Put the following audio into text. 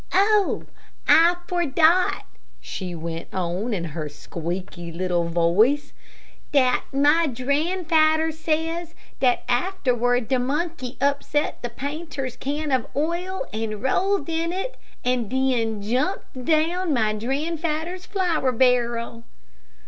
"Oh, I fordot," she went on, in her squeaky, little voice, "dat my dranfadder says dat afterward de monkey upset de painter's can of oil, and rolled in it, and den jumped down in my dranfadder's flour barrel."